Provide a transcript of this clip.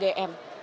dan kami ingin ugm